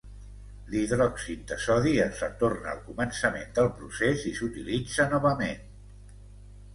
L’hidròxid de sodi es retorna al començament del procés i s’utilitza novament.